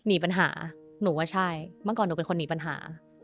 หนีปัญหาหนูว่าใช่เมื่อก่อนหนูเป็นคนหนีปัญหา